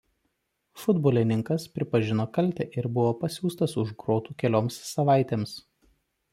Futbolininkas pripažino kaltę ir buvo pasiųstas už grotų kelioms savaitėms.